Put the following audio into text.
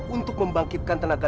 untuk membangkitkan tenaga